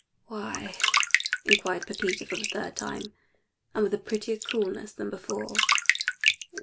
"Why?" inquired Pepita for the third time, and with a prettier coolness than before.